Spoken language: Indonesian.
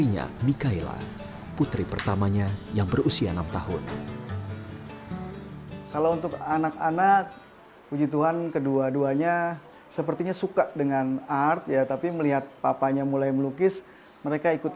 jadi bagaimana ketika seorang anak mencorat coret